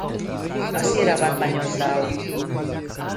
Hasiera bat baino ez da hau.